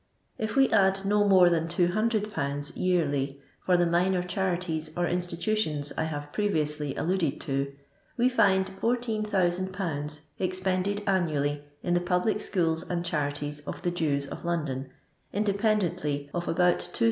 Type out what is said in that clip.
If we add no moro than 200/. yearly for the minor charities or institutions I have pre viously alluded to, we find 14,000/. expended annually in the public schools and charities of the Jews of London, independently of about 2000